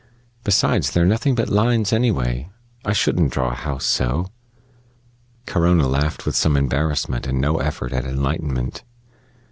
"Besides, they're nothing but lines, anyway. I shouldn't draw a house so." Corona laughed with some embarrassment and no effort at enlightenment.